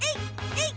えい！